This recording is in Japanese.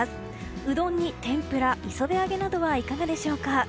うどんに、てんぷら磯辺揚げなどはいかがでしょうか。